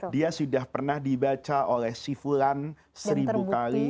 dia sudah pernah dibaca oleh sifulan seribu kali